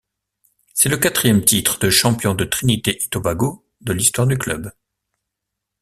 C’est le quatrième titre de champion de Trinité-et-Tobago de l'histoire du club.